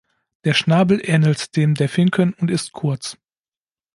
Der Schnabel ähnelt dem der Finken und ist kurz.